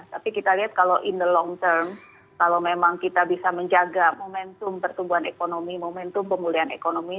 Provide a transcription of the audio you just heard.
tapi kita lihat kalau in the long term kalau memang kita bisa menjaga momentum pertumbuhan ekonomi momentum pemulihan ekonomi